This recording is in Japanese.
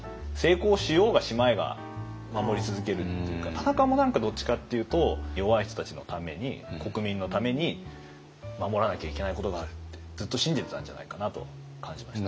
田中も何かどっちかっていうと弱い人たちのために国民のために守らなきゃいけないことがあるってずっと信じてたんじゃないかなと感じました。